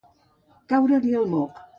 Caure-li el moc.